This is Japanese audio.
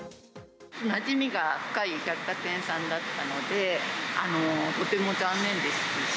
なじみが深い百貨店さんだったので、とても残念ですし。